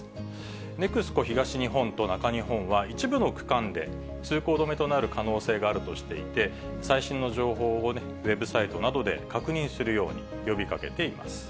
ＮＥＸＣＯ東日本と中日本は、一部の区間で通行止めとなる可能性があるとしていて、最新の情報をウェブサイトなどで確認するように呼びかけています。